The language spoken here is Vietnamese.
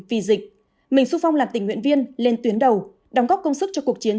vì dịch mình xu phong làm tình nguyện viên lên tuyến đầu đóng góp công sức cho cuộc chiến